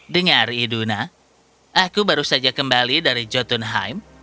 dengar iduna aku baru saja kembali dari jotunheim